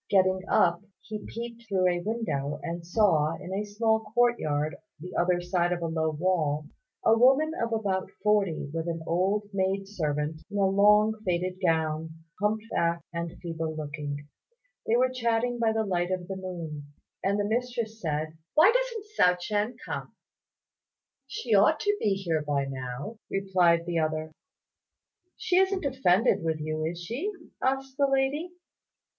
Getting up, he peeped through a window, and saw, in a small court yard the other side of a low wall, a woman of about forty with an old maid servant in a long faded gown, humped backed and feeble looking. They were chatting by the light of the moon; and the mistress said, "Why doesn't Hsiao ch'ien come?" "She ought to be here by now," replied the other. "She isn't offended with you; is she?" asked the lady.